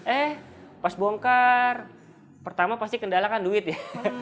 eh pas bongkar pertama pasti kendalakan duit ya